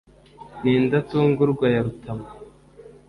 n’indatungurwa ya rutamu